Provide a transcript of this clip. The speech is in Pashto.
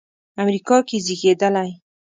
امریکا کې زېږېدلی.